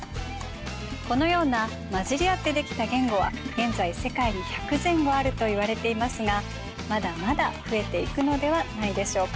このような交じり合って出来た言語は現在世界に１００前後あるといわれていますがまだまだ増えていくのではないでしょうか。